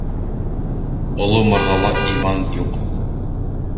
Оло мырҙала иман юҡ.